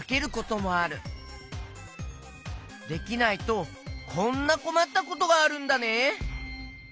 できないとこんなこまったことがあるんだね。